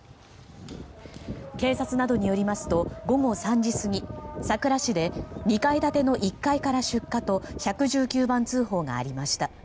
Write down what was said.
警察などによりますと午後３時過ぎ佐倉市で２階建ての１階から出火と１１９番通報がありました。